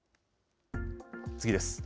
次です。